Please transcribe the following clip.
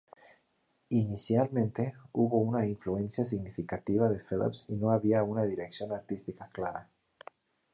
Inicialmente, hubo una influencia significativa de Philips y no había una dirección artística clara.